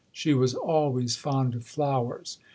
She was always fond of flowers.